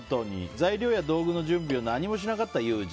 材料や道具の準備を何もしなかった友人。